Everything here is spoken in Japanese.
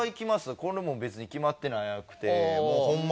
これもう別に決まってなくてホンマ